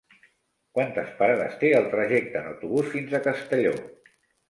Quantes parades té el trajecte en autobús fins a Castelló?